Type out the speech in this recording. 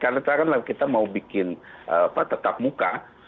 karena kita mau bikin tetap muka